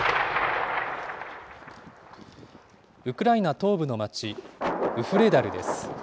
ウクライナ東部の町、ウフレダルです。